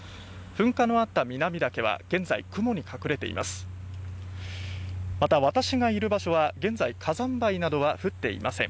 噴火のあった南岳は現在、雲に隠れています。